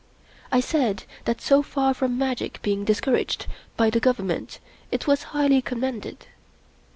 I said that so far from magic being discouraged by the Government it was highly com mended.